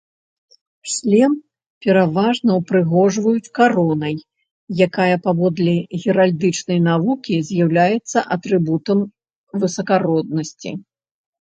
Шлем пераважна ўпрыгожваюць каронай, якая, паводле геральдычнай навукі, з'яўляецца атрыбутам высакароднасці.